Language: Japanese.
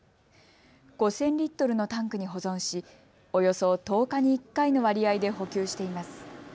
５０００リットルのタンクに保存し、およそ１０日に１回の割合で補給しています。